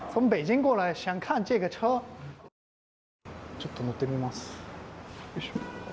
ちょっと乗ってみます。